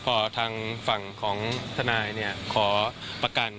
พอทางฝั่งของทนายขอประกัน